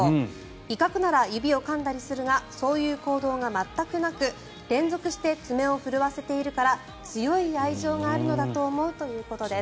威嚇なら指をかんだりするがそういう行動が全くなく連続して爪を震わせているから強い愛情があるのだと思うということです。